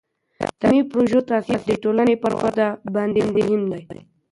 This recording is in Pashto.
د تعلیمي پروژو تاثیر د ټولني پر وده باندې مهم دی.